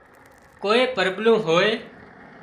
ڪوئي پرٻلُون هوئي